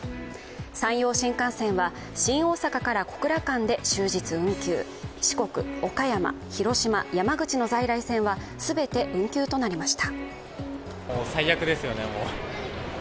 山陽新幹線は、新大阪から小倉間で終日運休、四国、岡山、広島、山口の在来線は全て運休となりました。